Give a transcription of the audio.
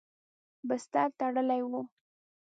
بستر تړلی و.